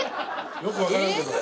よくわからんけど。